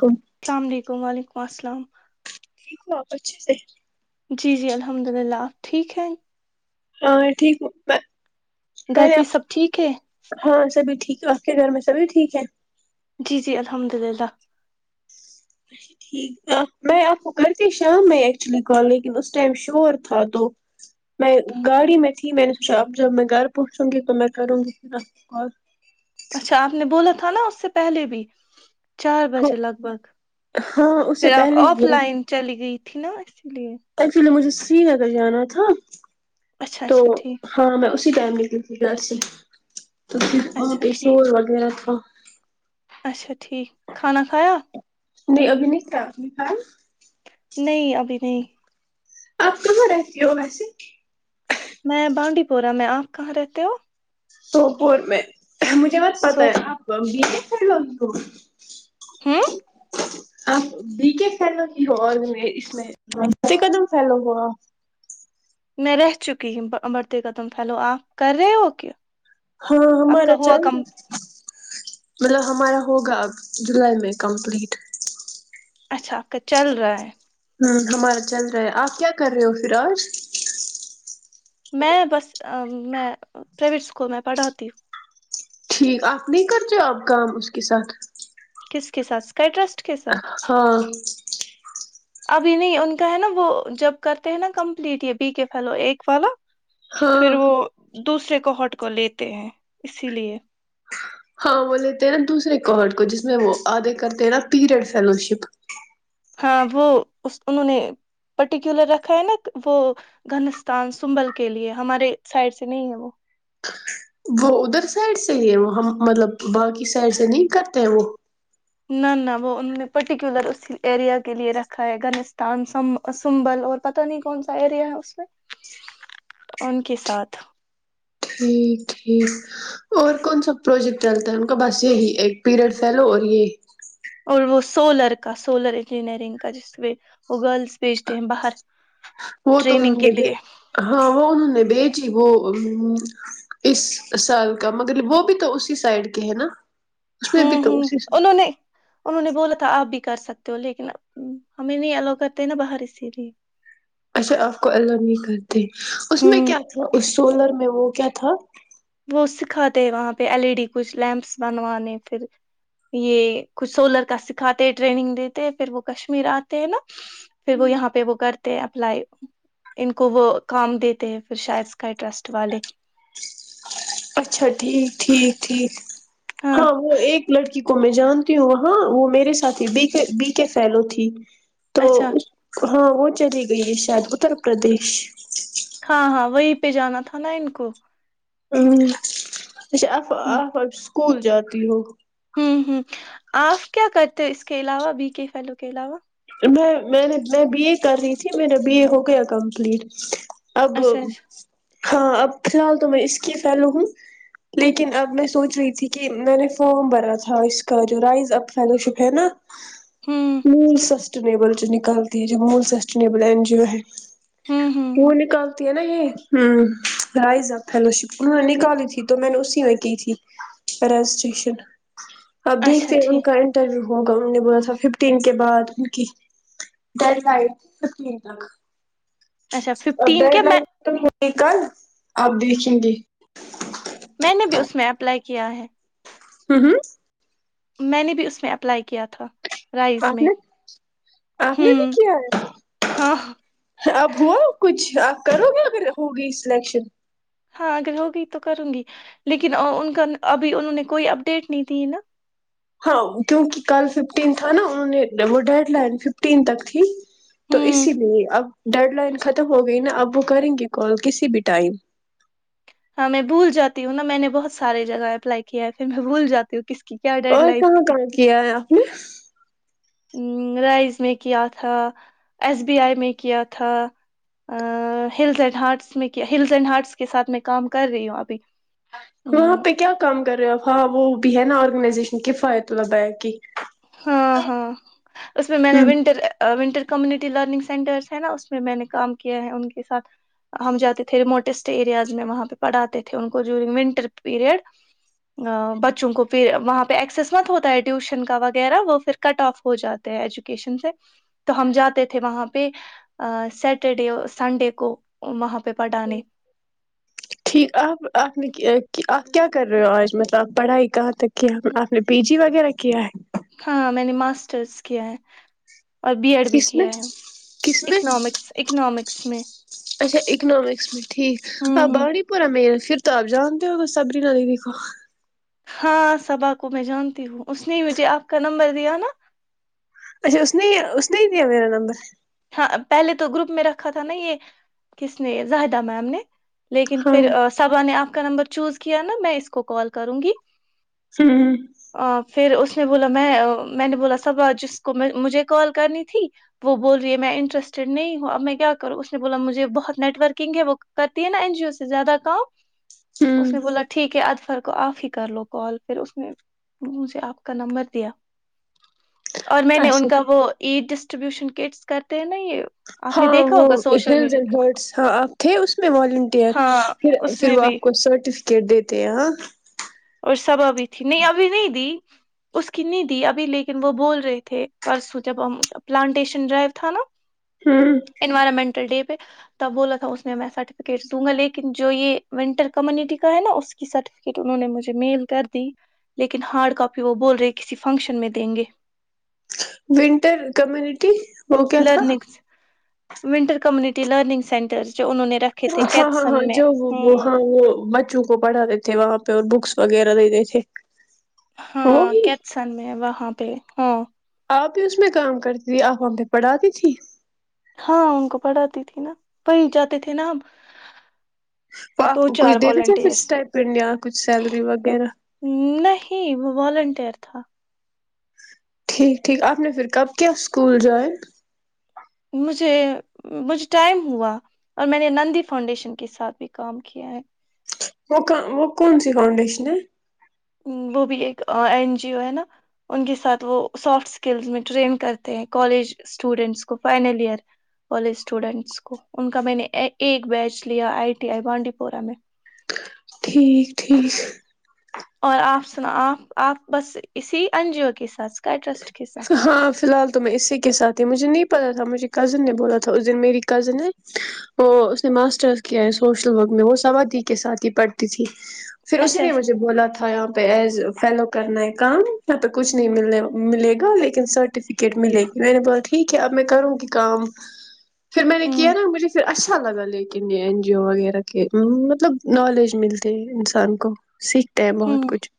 کو السلام علیکم وعلیکم وسلام [unintelligible] آپچ سے [unintelligible] جی جی الحمد للہ آپ ٹھیک ہیں ہ ٹھیک میں گھر پہلے پہ آپ سب ٹھیک ہے ہاں سبھی ٹھیک [unintelligible] تو آپ کے گھر میں سبھی ٹھیک ہے [unintelligible] جی جی الحمد للہ ٹھیک میں آپ کو کرتی شام میں ایکچولی کال لیکن اسس ٹائم شور تھا تو میں گاڑی میں تھی میں نے سوچا اب جب میں گھر پہنچوں گی تو میں کروں گی پھر آپ کو کال [unintelligible] اچھا آپ نے بولا تھا نا اس سے پہلے بھی چار ہاں بجے لگ بھگ ہاں اس سے پھر آپ پہلے آف لائن چلی گئی تھی نا اسی لیے جی اگر جانا تھا [unintelligible] اچھا تو اچھا ٹھیک ہاں میں اس [unintelligible] ک ٹائم نکل ت گا سے [unintelligible] وہ اچھا پ ٹھیک شور وغیرہ تو [unintelligible] اچھا ٹھیک کھانا کھایا [unintelligible] نہیںی ابنییشا آنی کان نہیں ابھی نہیں [unintelligible] آپ کہاں رہتی ہو ویسے [unintelligible] میں بانڈی پورہ میں آپ کہاں رہتے ہو [unintelligible] سوپور میں [unintelligible] مجھے بت پتہ سوپ ہے آپ ا بھی ہیں [unintelligible] س ل تو [unintelligible] ہ [unintelligible] آپ بی کے پھیلو ہی ہو اور اس میں سے قدم پھیلو ہو آ [unintelligible] میں رہ چکی ہ بڑھتے قدم پھیلو آپ کر رہے ہو کیا [unintelligible] ہاں آپ کا ہمارا ہوا چل کم مطلب ہمارا ہوگا اب جولائی میں کمپلیٹ اچھا آپ کا چل رہا ہے ہ ہمارا چل رہا ہے آپ کیا کر رہے ہو پھر آج میں بس میں پرائیویٹ اسکول میں پڑھاتی ہوں ٹھیک آپ نہیں کرتے آپ کام اس کے ساتھ کس کسات اس کا ایڈریس ہاں ابھی نہیں ان کا ہے نا وہ جب کرتے ہیں نا کمپلیٹ یہ بی کے فلو ایک والا ہاں پھر وہ دوسرے کوہٹ کو لیتے ہیں اسی لیے ہاں وہ لیتے ہیں نا دوسرے کوڈ کو جس میں وہ آگے کرتے ہیں نا پیریڈ فیلو شپ ہاں وہ انہوں نے پرٹیکولر رکھا ہے نا وہ گنستان سنبل کے لیے ہمارے سائڈ سے نہیں ہے وہ وہ ادھر سائڈ سے ہی ہے وہ ہم مطلب باقی سائڈ سے نہیں کرتے ہیں وہ نہ نہ وہ انہوں نے پرٹیکولر اس ایریا کے لیے رکھا ہے گنستان سنبل اور پت نہیں کون سا ایریا ہے اس میں ان کے ساتھ [inaudible] [unintelligible] ٹھیک ٹھیک اور کون سا پروجیکٹ چلتا ہے ان کا بس یہی ایک پیریڈ پھیلو اور یہ اور وہ سولر کا سولر انجینئرنگ کا جس پ وہ گرلس بھیجتے ہیں باہر [unintelligible] وہ تو ٹریننگ کے انہوں نے لیے ہاں وہ انہوں نے بیچ [unintelligible] جی وہ اس سال کا م وہ بھی تو اسی سائڈ کے ہے نا [unintelligible] بھی ہوں تو ہوں اسی انہوں نے انہوں نے بولا تھا آپ بھی [unintelligible] کر سکتے ہو لیکن ا ہمیں نہیں الا کرتے نا باہر اسی لیے [unintelligible] اچھا آپ کو اللہ نہیں کرتے اس میں ہوں کیا تھا اس [unintelligible] سولر میں وہ کیا تھا [unintelligible] وہ سکھاتے وہاں پہ ایل ای ڈی کچھ لمپس بنوانے پھر یہ کچھ سولر کا سکھاتے ٹریننگ دیتے پھر وہ کشمیر آتے ہیں نا پھر وہ یہاں پہ وہ کرتے ہیں اپلائی ان کو وہ کام دیتے ہیں پھر شاید اسکائی ٹرسٹ والے [unintelligible] اچھا ٹھیک ٹھیک ٹھیک [unintelligible] ہاں وہ ایک لڑکی [unintelligible] کو میں جانتی ہوں وہاں وہ میرے ساتھی بی بی کے فھیلو تھی [unintelligible] تو اچھا [inaudible] ہاں وہ چلی گئی ہے شاید اتر پردیش [unintelligible] ہاں ہاں وہیں پہ جانا تھا نا ان کو [unintelligible] ہوں [inaudible] س آ ہ آ و [inaudible] بھول جاتی ہو [unintelligible] ہ ہ آپ کیا کرتے اس کے علاوہ بی کے فلو کے علاوہ [unintelligible] میں میں نے میں بی اے کر رہی تھی میرا بی اے ہو گیا کمپلیٹ [unintelligible] اب اچھا اچھا [inaudible] ہاں اب فی الحال تو میں اس کی فیلو ہوں لیکن اب میں سوچ رہی تھی کہ میں نے فارم بھرا تھا اس کا جو رائز اب فیلو شپ ہے نا ہوں [unintelligible] مول سس [unintelligible] س نکالتی ہے جو مول سسٹبل ا جیو ہے ہوں ہوں وہ ہوں نکلتی نا یہ ہ رائزہ فلو شپ انہوں نے نکالی تھی تو میں نے اسی میں کی تھی رجسٹریشن ابھی اچھا ف ہم ٹھیک کنٹر رہ ہو نے ب س ففٹین کے بعد ڈر لائ ت اچھا ا ففٹین ڈیڈ کے میں لائن تو ہوئی کل آپ دیکھیں گے میں نے بھی اس میں اپلائی کیا کیا ہے ہاں ہاں میں نے بھی اس میں اپلائی کیا تھا رائز آپ میں نے آپ نے بھی ہوں کیا ہاں ہے اب ہوا کچھ آپ کرو گے اگرگر ہوگی سلیکشن ہاں اگر ہوگی تو کروں گی لیکن ان کا ابھی انہوں نے کوئی اپڈیٹ نہیں دی ہے نا ہاں کیونکہ کل ففٹین تھا نا انہوں نے وہ ڈیڈ لائن ففٹین تک تھی تو ہوں اسی لیے اب ڈیڈ لائن ختم ہو گئی نا اب وہ کریں گے کال کسی بھی ٹائم ہاں میں بھول جاتی ہوں ن نہ میں نے بہت سار جگہ اپلائی کیا ہے پھر میں بھول جاتی ہوں کس کی کیا ڈیڈ اور لائن کہاں تھی کہاں کیا ہے آپ نے رائز میں کیا تھا ایس بی آئی میں کیا تھا ہلز اینڈ ہارٹس میں کیا ہلز اینڈ ہارٹس کے ساتھ میں کام کر رہی ہوں ابھی وہاں ہم، پہ کیا کام کر رہے ہوپ ہاں وہ بھی ہے نا اوررگنائزیشن کے کی فائدتہ لبایا کہ ہاں ہاں اس میں میں نے ہوں ونٹر ونٹر کون لرننگ سینٹر ہے نا اس میں میں نے کام کیا ہے ان کے ساتھ ہم جاتے تھے ریموٹٹ ایریاز میں وہاں پہ پڑھاتے تھے ان کو جونگ ونٹر پیریڈ بچوں کواں پہ ایکسس مت ہوتا ہے ٹیوشن کا و وہ پھر کٹ آف ہو جاتے ہیں ایجوکیشن سے تو ہم جاتے تھے وہاں پہ سٹرڈے سنڈے کو وہاں پہ پڑھانے ٹھیک آپ آپ نے کہ آپ کیا کر رہے ہو آج مطلب آپ پڑھائی کہاں تک کیا آپ نے پی جی وغیرہ کیا ہے ہاں میں نے ماسٹرس کیا ہے اور بی ایڈ بھی کس میں کیا ہے کس میں اکنامکس اکنامکس میں اچھا اکنامکس میں ٹھیک ہوں آ ہوں بانڑی پورہ میر پھر تو آپ جانتے ہو گ سبری ن ہی دیکھو ہاں صبا کو میں جانتی ہوں اس نے مجھے آپ کا نمبر دیا نا اچھا اس نے اس نے دیا میرا نمبر ہاں پہلے تو گروپ میں رکھا تھا نا یہ کس نے زاہدہ میم نے لیکن ہاں پھر ہوں سبا نے آپ کا نمبر چوز کیا نا میں اس کو کال کروں گی ہوں آ، پھر اس نے بولا میں میں نے بولا صب جس کو مجھے کال کرنی تھی وہ بول میں انٹرسٹڈ نہیں ہوں اب میں کیا کروں اس نے بولا مجھے بہت نیٹ ورکنگ ہے وہ کرتی ہے نا این جی او سے زیادہ کام ہوں اس نے بولا ٹھیک ہے ادفر کو آپ ہی کر لو کال پھر اس نے مجھے آپ کا نمبر دیا اور میں نے ان اچھا کا وہ عید اسٹربیش کرٹس کرتے ہیں یہ آپ نے ہاں دیکھا وہ ہوگا سوشل ہلز میڈیا اینڈ ہرڈس ہاں آپ تھے اس میں والنٹیئر ہاں پ اس پھر میں وہ بھی آپ کو سرٹیفکیٹ دیتے ہیں ہاں اور سب ابھی تھی نہیں اب نہیں دی اس کی نہیں دی ابھی لیکن وہ بول رہے تھے پرسوں جب پلانٹیشن ڈرائیو تھا نا ہوں انوائرمنٹل ڈے ت بولا تھا اس میں سرٹیفکیٹ دوں گا لیکن جو یہ ونٹر کمیونٹی کا ہے نا اس کی سرٹیفکیٹ انہوں نے مجھے میل کر دی لیکن ہارڈ کاپی وہ بول رہے کسی فنکشن میں دیں گے winter community learns winter community ٹی لرنگ سینٹرس ہاں ہاں ہاں جو وہ ہوں ہاں وہ بچوں کو پڑھاتے تھے وہاں پہ اور بکس وغیرہ دتے تھے ہاں وہی کیتسن میں وہاں پہ ہاں آپ بھی اس میں کام کرتی تھی آپ آ پہ پڑھاتی تھی ہاں ان کو پڑھاتی تھی نا پہچ جاتے تھے نا اب وہ آپ کو کچھ دے دیتےے پھر اسٹائپن یا کچھ سیلری وغیرہ نہیں وہ والنٹیئر تھا ٹھیک ٹھیک آپ نے پھر کب کیا اسکول جائےیں مجھے مجھے ٹائم ہوا اور میں نے نندی فاؤنڈیشن کے ساتھ بھی کام کیا ہے وہ وہ کون سی فاؤنڈیشن ہے وہ بھی ایک این جی او ہے نا ان کے ساتھ وہ سافٹ اسکلس میں ٹرین کرتے ہیں کالج اسٹوڈینٹس کو فائنل ایئر کالج اسٹوڈینٹس کو ان کا میں نے ایک بیچ لیا آئی ٹی آئی بانڈی پورہ میں جی اور آپ سنا آپ آپ بس اسی انجیو کے ساتھ اسکائی ٹرسٹ کے ساتھ ہاں فی الحال تو میں اسی کے ساتھ ہی مجھے نہیں پتا تھا مجھے کزن نے بولا تھا اس دن میری کزن ہے وہ اس نے ماسٹرس کیا ہے سوشل ورک میں وہ سوادی کے ساتھ ہی پڑھتی تھی پھر اسی اچھا نے اچھا مجھے بولا تھا پ ایز فیلو کرنا ہے کام یہاں پہ کچھ نہیں ملنے وال ملے گا لیکن سرٹیفکیٹ ملے گی میں نے بولا ٹھیک ہے اب میں کروں گی کام پھر میں نے کیا ہوں نا مھے پھر اچھا اچھا لگا لیکن یہ این جی او وغیرہ کے مطلب نالج ملتے انسان کو سیکھ بہت ہوں کچھ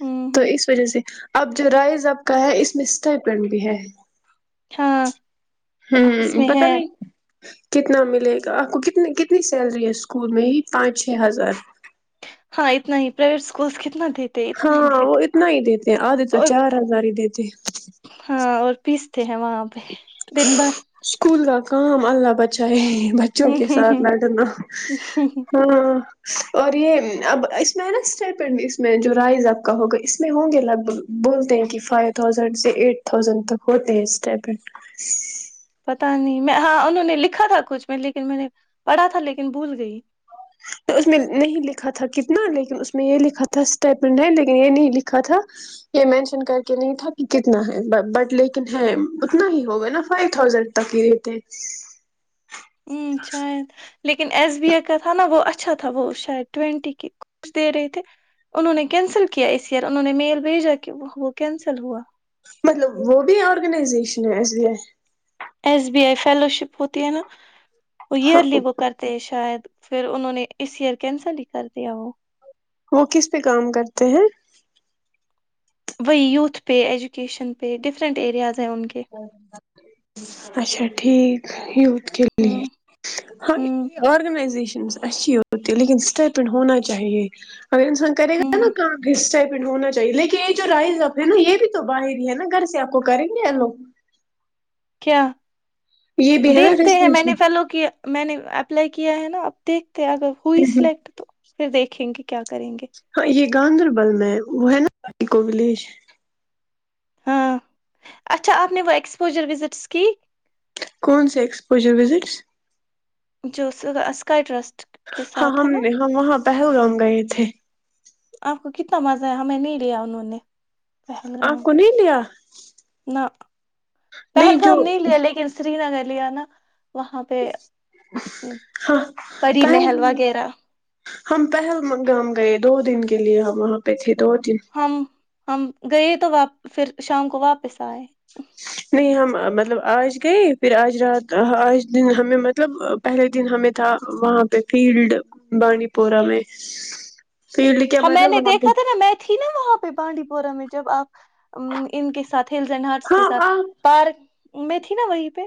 ہوں تو ہوں اس وجہ سے اب جو رائز اب کا ہے اس میں اسٹائیپن بھی ہے ہاں اس ہوں میں پتا ہے نہیں کتنا ملے گا آپ کو کتنی کتنی سیلری ہے اسکول میں یہ پانچ چھ ہزار ہاں اتنا ہی پرائیویٹ اسکولس کت ہاں وہ اتنا ہی دیتے آدھے تو اور چار ہزار ہی دیتے ج ہاں اور پس ہیں وہاں پہ دن بھر کاام اللہ بچائے بچوں ہوں کے ہوں ساتھ لڑنا ہوں ہوں۔ ہاں اور یہ اب اس میں ہے نا اسٹیپینڈ اس میں جو رائز آپ کا ہوگا اس میں ہوں گے لگ بھگ بولتے ہیں کہ فائیو تھازینڈ سے ایٹ تھازینڈ تک ہوتے ہیں اسٹیپینڈ [inaudible] پتا نہیں میں ہاں انہوں نے لکھا تھا کچھ میں لیکن میں نے پڑھا تھا لیکن بھول گئی تو اس میں نہیں لکھا تھا کتنا لیکن اس میں یہ لکھا تھا اسٹیٹمنٹ ہے لیکن یہ نہیں لکھا تھا یہ مینشن کر کے نہیں تھا کہ کتنا ہے بٹ لیکن ہے اتنا ہی ہوگا نا فائیو تھازینڈ تک ہی رہتے ہوں شاید لیکن ایس بی آئی کا تھا نا وہ اچھا تھا وہ شاید ٹوینٹی کے کچھ دے رہے تھے انہوں نے کینسل کیا اس ایئر انہوں نے میل بھیجا کہ وہ کینسل ہوا مطلب وہ بھی آرگنائزیشن ہے S B I S B I fellowship ہوتی ہے نا وہ ہاں ایئرلی وہ کرتے ہیں شاید پھر انہوں نے اس ایئر کینسل ہی کر دیا وہ وہ کس پہ کام کرتے ہیں وہ وت پے ایجوکیشن پ ڈفرنٹ ایرییاز اچھا ٹھیک ہی لی ہوں ہاں ہوں آگنزیشن اچ ہو لیکن ست پ ہونا چاہیے ا سکاری ہوں ہونا چاہیے لیکن یہ جو رائز ہے نا یہ بھی تو باہر ہی ہے نا گھر سے آپ کو کریں گے لوگ کیا یہ بھی ہے نا دیکھتے ہیں میں نے ریزیشن پہلو کہ میں نے اپلائی کیا ہے نا اب ت اگر ہوئی سلیکٹ تو پھر دیکھیں گے کیا کریں گے ہاں یہ گاندربل میں وہ ہے نایک ولیج ہاں اچھا آپ نے وہ ایکسپوجر وزٹس کی کون سے ایکسپوجر وزٹس جوس اس کاٹ رس ہاں ہم نے ہم وہاں پہ گگا ہے یہ تھے آپ کو کتنا مزہ ہے ہمیں نہیں لیا انہوں نے آپ پہلگام کو نہیں لیا نہ پہلگام نہیں لیا لیکن سری نگر لیا نا وہاں پہ ہاں پری محل پہلگام وغیرہ ہم پہل گام گئے دو دن کے لیے ہم وہاں پہ تھے دو تن ہم ہم گئے تواپ پھر شام کو واپس آئے نہیں ہم مطلب آج گئے پھر آج رات آج دن ہمیں مطلب پہلے دن ہمیں تھا وہاں پہ فیلڈ بانڈی پورہ میں فیلڈ کیا ہاں میں مطلب نے وہاں پہ دیکھا تھا نا میں تھی نا وہاں پہ بانڈی پورا میں جب آپ ان کے ساتھ ہلس اینڈ ہرٹس ہاں کے ساتھ آپ پارک [unintelligible] میں تھی نا وہیں پہ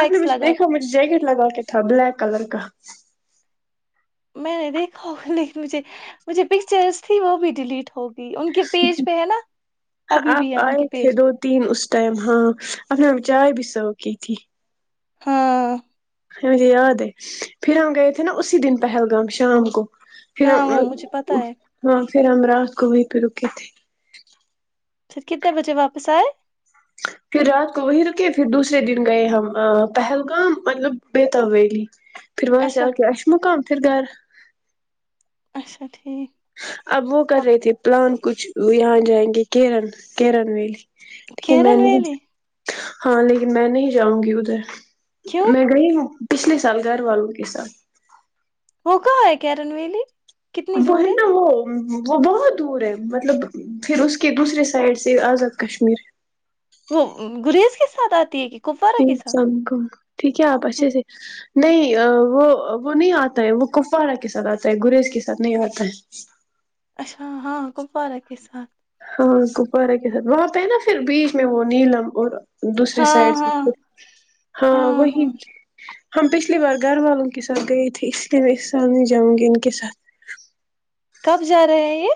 آپ نے مجھے لگا دیکھا کے مجھے جیکٹ لگا کے تھا بلیک کلر کا میں نے دیکھا ہوگا لیکن مجھے مجھے پکچرس تھی وہ بھی ڈیلیٹ ہوگی ان کے پیج پہ ہے نا ابھی بھی آپ ہے ان آئے کے تھے پیج دو تین اس ٹائم ہاں اپ نے چائے بھی [unintelligible] تووکی تھی [unintelligible] ہاں مجھے یاد ہے پھر ہم گئے تھے نا اسی دن پہلگام شام کو [unintelligible] پ ہاں وہ مجھے پتا ہے ہاں [unintelligible] پھر ہممراض کووئی پہ رکے تھی پھر کتنے بجے واپس آئے پھر رات کو وہیں رکے پھر دوسرے دن گئے ہم پہلگام مطلب بیتا ویلی [unintelligible] پھر وہاں سے اچھا ا آکے اس مقام پھر گھر اچھا ٹھیک [unintelligible] اب وہ کر رہے تھے پلان کچھ یہاں جائیں گے کیرن کیرن ویلی [unintelligible] میں کیرن نہیں ولی ہاں لیکن میں نہیں جاؤں گی ادھر کیوں میں گئی ہوں [unintelligible] پچھلے سال گھر والوں کے ساتھ [unintelligible] وہ کہ ہے کیرن ویلی [unintelligible] ب ہے نا وہ [unintelligible] وہ بہت دور ہے مطلب پھر اس کے دوسرے سائڈ سے آزاد کشمیر [unintelligible] وہ گریز کے ساتھ آتی ہے کہ کپوارہ کے ساتھ لام عیکم ٹھیک ہے آپ ہم، اچھے سے [inaudible] نہیں وہ وہ نہیں آتا ہے وہ کفواڑہ کے ساتھ آتا ہے گریز کے ساتھ نہیں آتا ہے اچھا ہاں کپوارہ کے ساتھ [inaudible] ہاں گپوارہ کے ساتھ وہاں پہ نا پھر بیچ میں وہ نیلم اور دوسری ہاں سائڈ ہاں سے ہاں وہی ہم پچھلی بار گھر والوں کے ساتھ گیے تھے اس لیے میں سان ج وک ان کے ساتھ کب جا رہے ہیں یہ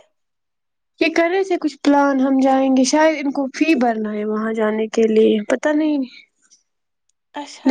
یہ کریں تھ کچھ پلان ہم جائیں گے شاید ان کو فی بھرنا ہے وہاں جانے کے لیے پت نہیں اچھا [inaudible]